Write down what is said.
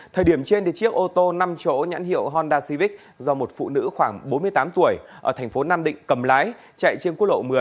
thời điểm trên chiếc ô tô năm chỗ nhãn hiệu hondasivic do một phụ nữ khoảng bốn mươi tám tuổi ở thành phố nam định cầm lái chạy trên quốc lộ một mươi